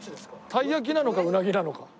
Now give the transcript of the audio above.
鯛焼きなのかうなぎなのか。